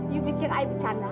you pikir ayah bercanda